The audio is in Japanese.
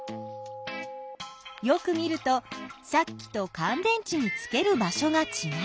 よく見るとさっきとかん電池につける場しょがちがう。